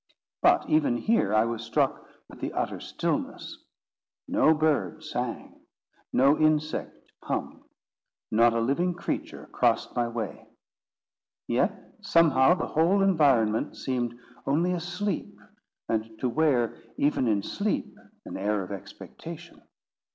But even here I was struck with the utter stillness. No bird sang. No insect hummed. Not a living creature crossed my way. Yet somehow the whole environment seemed only asleep, and to wear even in sleep an air of expectation.